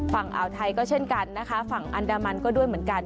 ฝั่งอ่าวไทยก็เช่นกันนะคะฝั่งอันดามันก็ด้วยเหมือนกัน